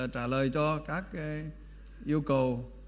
trả lời cho các yêu cầu